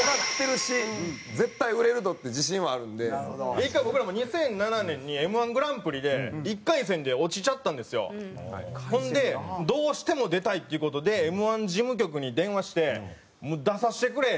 １回僕らも２００７年にＭ−１グランプリでほんでどうしても出たいっていう事でＭ−１事務局に電話して「出させてくれ」っつって。